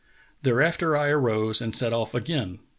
Thereafter I arose and set off again.